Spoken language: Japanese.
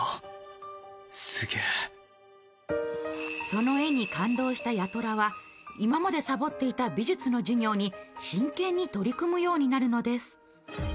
その絵に感動した八虎は今までサボっていた美術の授業に真剣に取り組むようになるのです。